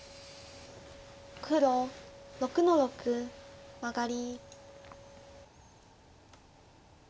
黒６の六マガリ。